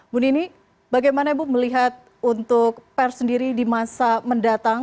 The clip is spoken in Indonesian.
bunini bagaimana bu melihat untuk pers sendiri di masa mendatang